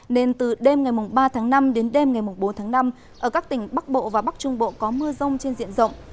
nên từ đêm ngày ba tháng năm đến đêm ngày bốn tháng năm ở các tỉnh bắc bộ và bắc trung bộ có mưa rông trên diện rộng